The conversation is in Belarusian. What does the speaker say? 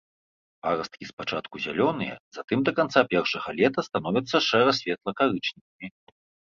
Парасткі спачатку зялёныя, затым да канца першага лета становяцца шэра-светла-карычневымі.